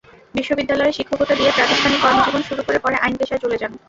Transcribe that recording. বিশ্ববিদ্যালয়ে শিক্ষকতা দিয়ে প্রাতিষ্ঠানিক কর্মজীবন শুরু করে পরে আইন পেশায় চলে যান।